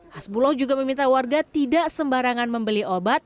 hasbuloh juga meminta warga tidak sembarangan membeli obat